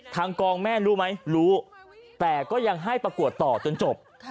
ทางกองแม่รู้ไหมรู้แต่ก็ยังให้ประกวดต่อจนจบ